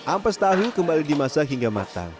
ampas tahu kembali dimasak hingga matang